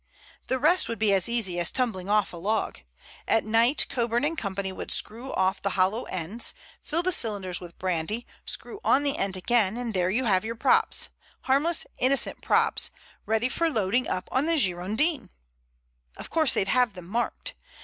"The rest would be as easy as tumbling off a log. At night Coburn and company would screw off the hollow ends, fill the cylinders with brandy, screw on the end again, and there you have your props—harmless, innocent props—ready for loading up on the Girondin. Of course, they'd have them marked.